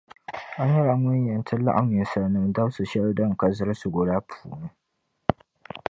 A nyɛla Ŋun yɛn ti laɣim ninsalinim’ dabsi’ shεli din ka zilsigu la puuni.